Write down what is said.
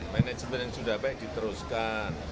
manajemen yang sudah baik diteruskan